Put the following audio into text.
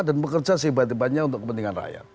dan bekerja seibat ibatnya untuk kepentingan rakyat